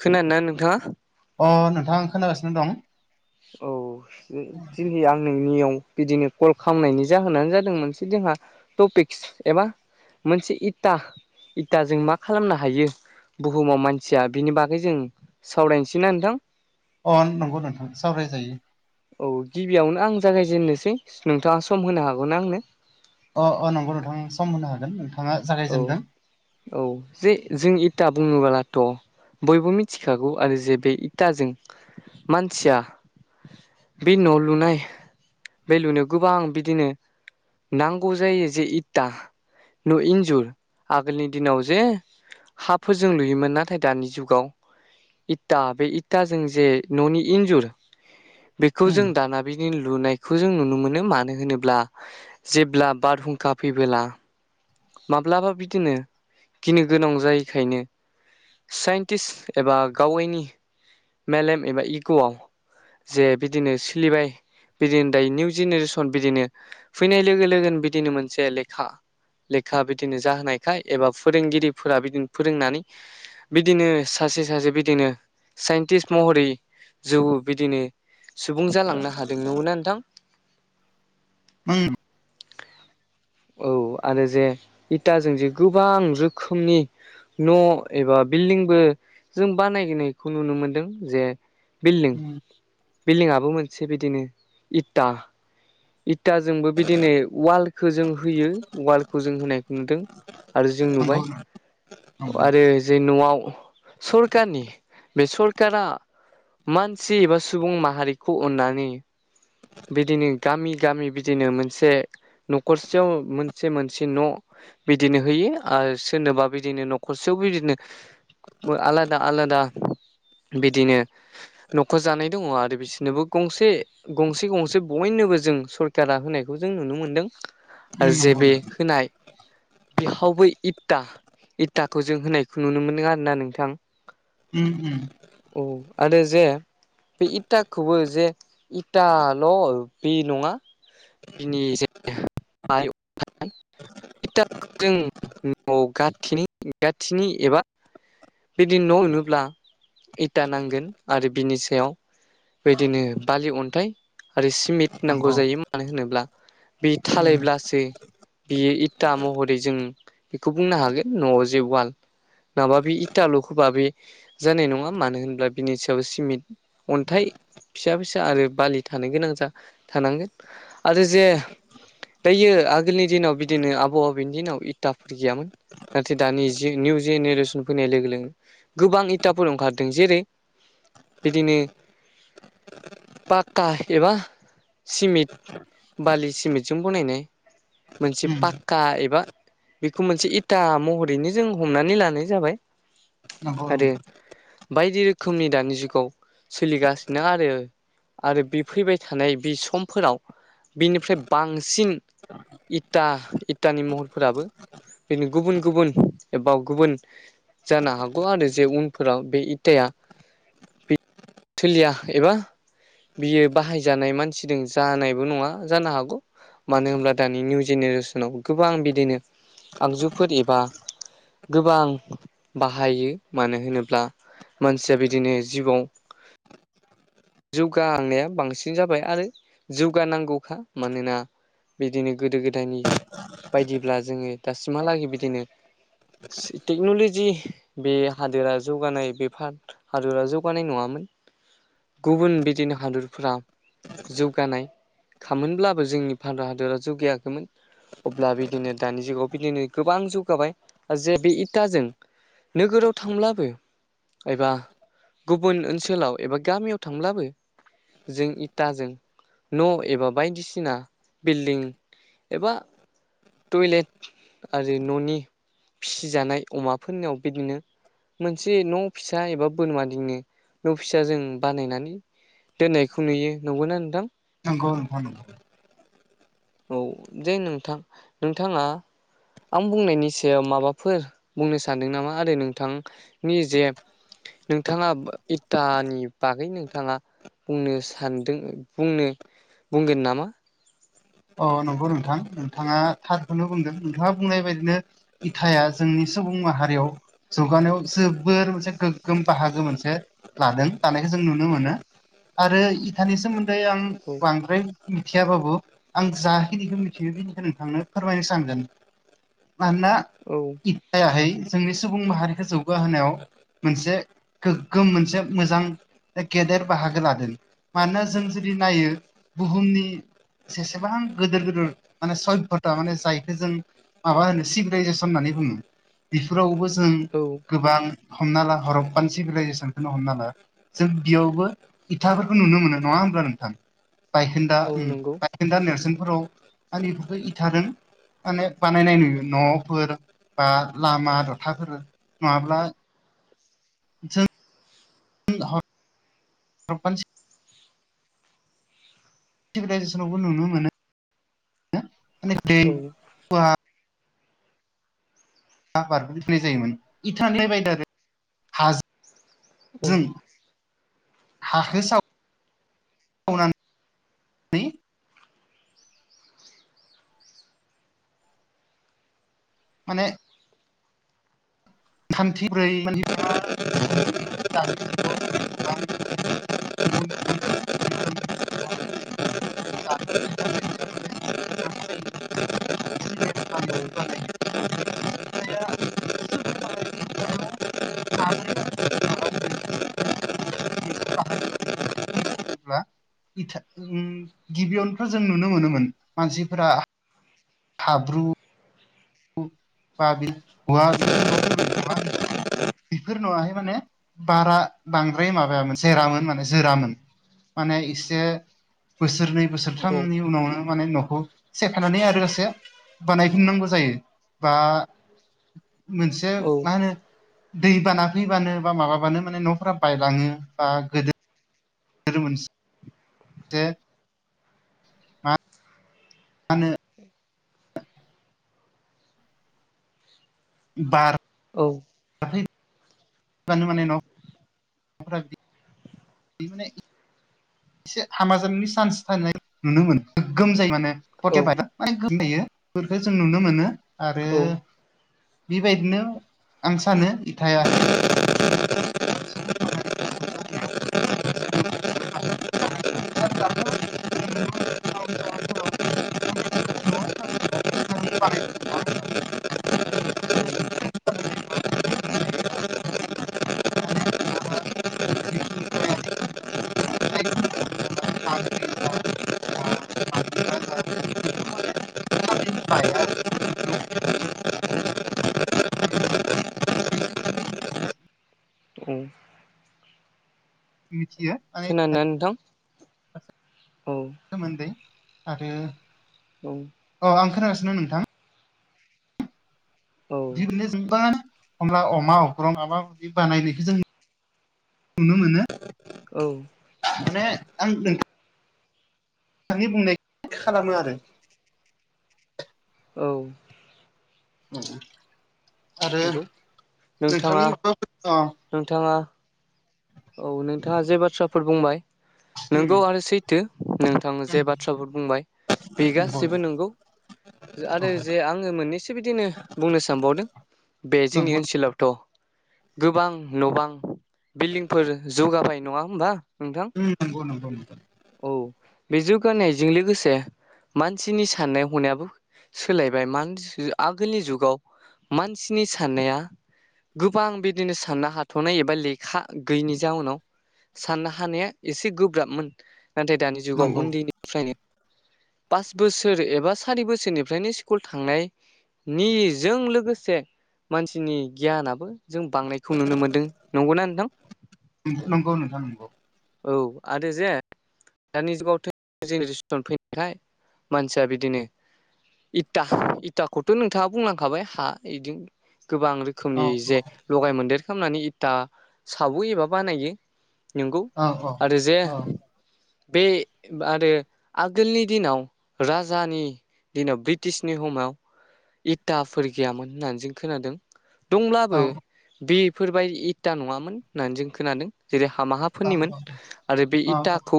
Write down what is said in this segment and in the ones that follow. खोनादों ना नोंथाङा अ नोंथां खोनागासिनो दं औ दिनै आं नोंनियाव बिदिनो कल खालामनायनि जाहोनानो जादों मोनसे जोंहा टपिक्स एबा मोनसे इथा इथाजों मा खालामनो हायो बुहुमाव मानसिया बेनि बागै जों सावरायनोसै ना नोंथां अ नंगौ नोंथां सावरायजायो औ गिबियावनो आं जागायजेननोसै नोंथाङा सम होनो हागौना आंनो अ अ नंगौ नोंथां सम होनो हागोन नोंथाङा औ जागायजेनदों औ जे जों इथा बुङोबोलाथ' बयबो मिथिखागौ आरो जे बे इथाजों मानसिया बे न' लुनाय बे लुनायाव गोबां बिदिनो नांगौ जायो जे इता न इ -जुर आगोलनि दिनाव जे हाफोरजों लुयोमोन नाथाय दानि जुगाव इटा बे इटाजों जे न'नि इन्जुर बेखौ उम जों दाना बिदि लुनायखौ जों नुनो मोनो मानो होनोब्ला जेब्ला बारहुंखा फैबोला माब्लाबा बिदिनो गिनो गोनां जायैखायनो साइन्टिस्ट एबा गावैनि मेलेम एबा इग'आव जे बिदिनो सोलिबाय बिदिनो दायो निउ जेनेरेसन बिदिनो फैनाय लोगो लोगोनो बिदिनो मोनसे लेखा लेखा बिदिनो जाहोनायखाय एबा फोरोंगिरिफोरा बिदिनो फोरोंनानै बिदिनो सासे सासे बिदिनो साइन्टिस्ट महरै ज बिदिनो सुबुं जालांनो हादों नंगौना नोंथां ओम औ आरो जे इटाजों जे गोबां रोखोमनि न' एबा बिल्डिंबो जों बानायनायखौ नुनो मोनदों जे बिल- उम बिल्डिंआबो मोनसे बिदिनो इटा इटाजोंबो बिदिनो वालखौ जों होयो वालखौ जों होनायखौ नुदों आरो जों नंगौ नुबाय नंगौ आरो जे न'आव सरकारनि बे सरकारा मानसि एबा सुबुं माहारिखौ अन्नानै बिदिनो गामि गामि बिदिनो मोनसे न'खरसेयाव मोनसे मोनसे न' बिदिनो होयो आरो सोरनोबा बिदिनो न'खरसेयाव बिदिनो आलादा आलादा बिदिनो न'खर जानाय दङ आरो बिसोरनोबो गंसे गंसे गंसे बयनोबो जों सरकारा होनायखौ जों नुनो मोनदों उम आरो जे नंगौ बे होनाय बिहावबो इता इथाखौ जों होनायखौ नुनो मोनदों आरो ना नोंथां ओम ओम औ आरो जे बे इथाखौबो जे इटाल' बे नङा बिनि जे [unintelligible] इटा जों न' गाथिनि गाथिनि एबा [unintelligible] बिदिनो न' लुनोब्ला इटा नांगोन आरो बिनि सायाव बेबादिनो बालि अन्थाइ आरो सिमेन्ट नंगौ नांगौ जायो मानो होनोब्ला बे उम थालायब्लासो बियो इटा महरै जों बेखौ बुंनो हागोन न'आव जे वाल नाङाबा बे इटाल' होबा बे जानाय नङा मानो होनब्ला बिनि सायाव सिमेन्ट अन्थाइ फिसा फिसा आरो बालि थानो गोनां जा थानांगोन आरो जे दायो आगोलनि दिनाव बिदिनो आबौ आबैनि दिनाव इटाफोर गैयामोन नाथाय दानि जि निउ जेनेरेसन फैनाय लोगो लोगो गोबां इटाफोर ओंखारदों जेरै बिदिनो पाक्का एबा सिमेन्ट बालि सिमेन्टजों बनायनाय मोनसे उम पाक्का एबा बेखौ मोनसे इटा महरैनो जों हमनानै लानाय जाबाय नंगौ आरो बायदि रोखोमनि दानि जुगाव सोलिगा नों आरो आरो बे फैबाय थानाय बे समफोराव बिनिफ्राय बांसिन इटा इटानि महरफोराबो बिदिनो गुबुन गुबुन एबा गुबुन जानो हागौ आरो जे उनफोराव बे इथायआ बे सोलिया एबा बियो बाहायजानाय मानसिदों जानायबो नङा जानो हागौ मानो होनब्ला दानि निउ जेनेरेसनाव गोबां बिदिनो आगजुफोर एबा गोबां बाहायो मानो होनोब्ला मानसिया बिदिनो जिउआव जौगाखांनाया बांसिन जाबाय आरो जौगानांगौखा मानोना बिदिनो गोदो गोदायनि बायदिब्ला जोङो दासिमहालागै बिदिनो टेक्न'ल'जि बे हादोरा जौगानाय बेफार हादोरा जौगानाय नङामोन गुबुन बिदिनो हादोरफ्रा जौगानाय खामोनब्लाबो जोंनि भारत हादोरा जौगायाखैमोन अब्ला बिदिनो दानि जुगाव बिदिनो गोबां जौगाबाय जे बे इटाजों नोगोराव थांब्लाबो एबा गुबुन ओनसोलाव एबा गामियाव थांब्लाबो जों इटाजों न' एबा बायदिसिना बिल्डिं एबा टयलेट आरो न'नि फिसिजानाय अमाफोरनियाव बिदिनो मोनसे न' फिसा एबा बोरमा दिनो न' फिसा जों बानायनानै दोननायखौ नुयो नंगौना नोंथां नंगौ नोंथां नंगौ औ जे नोंथां नोंथाङा आं बुंनायनि सायाव माबाफोर बुंनो सानदों नामा आरो नोंथांनि जे नोंथाङा इटानि बागै नोंथाङा बुंनो सानदों बुंनो बुंगोन नामा अ नंगौ नोंथां नोंथाङा थारखौनो बुंदों नोंथाङा बुंनाय बायदिनो इटाया जोंनि सुबुं माहारियाव जौगानायाव जोबोर मोनसे गोग्गोम बाहागो मोनसे लादों लानायखौ जों नुनो मोनो आरो इटानि सोमोन्दै आं औ बांद्राय मिथियाबाबो आं जाखिनिखौ मिथियो बेनिखौ नोंथांनो फोरमायनो सानगोन मानोना औ इटायाहाय जोंनि सुबुं माहारिखौ जौगाहोनायाव मोनसे गोग्गोम मोनसे मोजां गेदेर बाहागो लादों मानोना जों जुदि नायो बुहुमनि जेसेबां गोदोर गोदोर माने सदभयथा माने जायखौ जों माबा होनो सिभिलाइजेसन होननानै बुङो बेफोरावबो जों औ गोबां हमना ला हरंपान सिभिलाइजेसनखौनो हमना ला जों बेयावबो इथाफोरखौ नुनो मोनो नङा हब्ला नोंथां बायखोन्दा औ ओम नंगौ [unintelligible] दा नेरसोनफोराव आंनिफोरखौ इथादों माने बानायनाय नुयो न'फोर बा लामा दथाफोर नङाब्ला जों [unintelligible] हरपान चि सिभिलाइजेसनावबो नुनो मोनो। माने औ [unintelligible] आबादखौ मिथिनाय जायोमोन [unintelligible] बायदि आरो औ हाजोजों हाखो साव माने थान्थिब्रै माने [unintelligible] [unintelligible] औ [unintelligible] [unintelligible] गिबियावनो जों नुनो मोनोमोन मानसिफोरा हाब्रु बा [unintelligible] बेफोर नङाहाय माने बारा बांद्राय माबायामोन जेरामोन माने जोरामोन माने इसे बोसोरनै औ औ बोसोरथामनि उनावनो माने न'खौ सेफायनानै आरोसे बानायफिननांगौ जायो। बा मोनसे मा होनो दै बाना फैबानो बा माबाबानो माने न'फोरा बायलाङो बा गोदो [unintelligible] जे आ मानो बार औ नो माने न'फ्रा बिदि बे माने एसे आमा जानायनि चान्स थानाय नुनो मोनो गोगोम जायो माने। बेफोरखौ जों नुनो मोनो आरो बेबायदिनो आं सानो इथाया [unintelligible] [unintelligible] औ औ बि मिथियो माने खोनादोना नोंथां औ सोमोन्दै आरो औ औ आं खोनागासिनो नोंथां औ बिदिनो [unintelligible] अनला अमा अख्रां माबा बानायनायखौ जों नुनो मोनो। औ माने आं नों नोंथांनि बुंनाय खालामो आरो औ आरो नंगौ नोंथांनि नोंथाङा माबाफोर अ नोंथाङा औ नोंथाङा जे बाथ्राफोर बुंबाय नोंगौ आरो सैथो नोंथाङा जे बाथ्राफोर बुंबाय बे उम गासैबो नोंगौ आरो जे आङो मोननैसो बिदिनो बुंनो सानबावदों बे जोंनि नंगौ औ ओनसोलावथ' गोबां न बां बिल्डिं फोर जौगाबाय नङा होमबा नोंथां उ नंगौ नंगौ औ बे जौगानायजों लोगोसे मानसिनि साननाय हनायाबो सोलायबाय मा आगोलनि जुगाव मानसिनि साननाया गोबां बिदिनो साननो हाथ'नाय एबा लेखा गैयैनि जाउनाव साननो हानाया एसे गोब्राबमोन नाथाय दानि जुगाव नंगौ उन्दैनि फ्राय पास बोसोर एबा सारि बोसोरनिफ्रायनो स्कुल थांनाय नि जों लोगोसे मानसिनि गियानाबो जों बांनाय बेखौ नुनो मोन्दों नंगौना नोंथां नोंगौ नोंथां नोंगौ औ आरो जे दानि जुगाव जेनेरेसन फैनायखाय मानसिया बिदिनो इथा इताखौथ' नोंथाङा बुंलांखाबाय हा बिदि गोबां रो औ रोखोमनि जे लगाय मोन्देर खालामनानै इथा सावो एबा बानायो नंगौ औ आरो जे औ बे आरो आगोलनि दिनाव राजानि दिनाव ब्रिटिशनि हमाव इटाफोर गैयामोन होननानै जों खोनादों औ दंब्लाबो बेफोरबायदि इथा नङामोन होननानै जों खोनादों जेरै हामा हा औ फोरोनिमोन आरो बे इथाखौ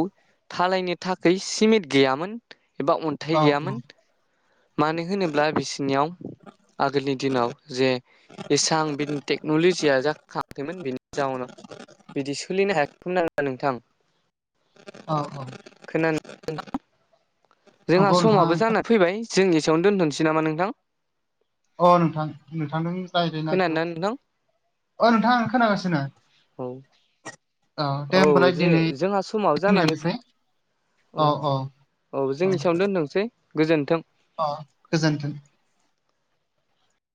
थालायनो थाखाय सिमेन्ट गैयामोन एबा औ अन्थाइ गैयामोन मानो होनोब्ला बिसिनियाव आगोलनि दिनाव जे इसां बिनि टेक्न'लजिया जाखांयाखैमोन बेनि जाउनाव बिदि सोलिनो हायाखैमोन आरोना नोंथां औ औ खोनानो जोंहा नंगौ नोंथां समाबो जाना फैबाय जों एसेयावनो दोन्थ'नोसै नामा नोंथां। अ नोंथां नोंथांजों रायज्लायना खोनादोंना नोंथां अ नोंथां आं खोनागासिनो औ दे औ होमबालाय जे दिनै जोंहा समाबो जानानै बेखिनियानोसै औ औ जों इसेयावनो दोनथसै गोजोन्थों अ गोजोन्थों